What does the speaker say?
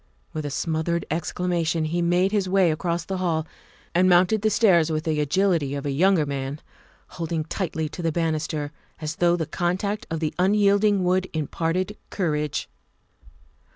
With a smothered exclamation he made his way across the hall and mounted the stairs with the THE SECRETARY OF STATE 277 agility of a younger man, holding tightly to the banister, as though the contact of the unyielding wood imparted courage.